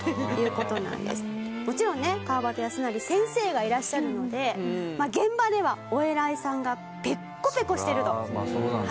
もちろんね川端康成先生がいらっしゃるので現場ではお偉いさんがペッコペコしてると。